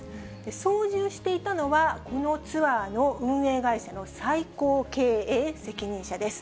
操縦していたのは、このツアーの運営会社の最高経営責任者です。